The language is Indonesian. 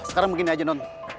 sekarang begini aja nun